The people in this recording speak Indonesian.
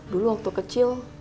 dulu waktu kecil